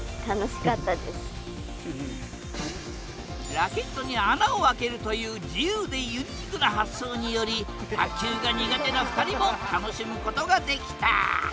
ラケットに穴をあけるという自由でユニークな発想により卓球が苦手な２人も楽しむことができた。